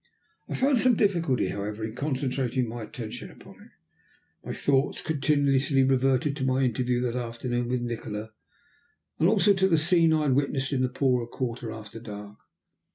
I found some difficulty, however, in concentrating my attention upon it. My thoughts continually reverted to my interview that afternoon with Nikola, and also to the scene I had witnessed in the poorer quarter after dark.